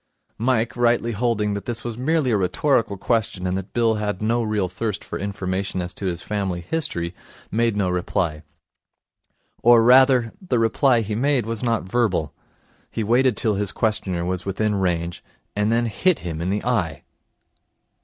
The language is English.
Mike, rightly holding that this was merely a rhetorical question and that Bill had no real thirst for information as to his family history, made no reply. Or, rather, the reply he made was not verbal. He waited till his questioner was within range, and then hit him in the eye.